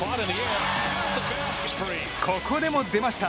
ここでも出ました